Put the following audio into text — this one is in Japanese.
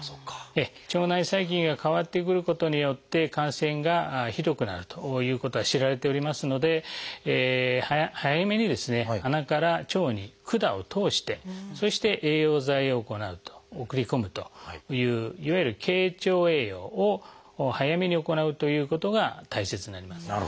腸内細菌が変わってくることによって感染がひどくなるということは知られておりますので早めに鼻から腸に管を通してそして栄養剤を行う送り込むといういわゆる「経腸栄養」を早めに行うということが大切になります。